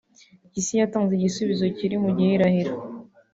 Mpyisi yatanze igisubizo kiri mu gihirahiro